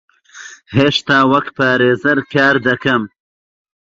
هێشتا وەک پارێزەر کار دەکەم.